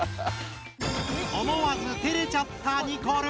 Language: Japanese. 思わずてれちゃったニコル！